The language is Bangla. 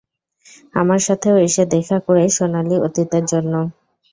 আমার সাথেও এসে দেখা করে, সোনালী অতীতের জন্য।